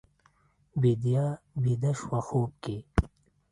بیدیا بیده شوه خوب کې